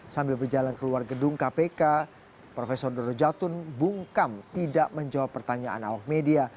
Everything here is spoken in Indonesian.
sambil berjalan keluar gedung kpk prof doro jatun bungkam tidak menjawab pertanyaan awak media